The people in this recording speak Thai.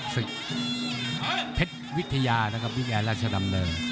ศิษย์เพชรวิทยาวิทยาราชดำเนอีฟ